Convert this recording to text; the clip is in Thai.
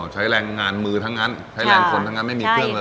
ใช้แรงงานมือทั้งนั้นใช้แรงคนทั้งนั้นไม่มีเครื่องเลย